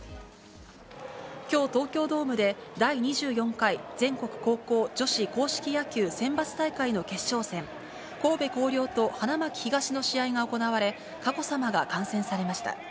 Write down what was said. きょう東京ドームで、第２４回全国高校女子硬式野球選抜大会の決勝戦、神戸弘陵と花巻東の試合が行われ、佳子さまが観戦されました。